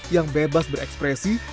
yang bebas berekspresi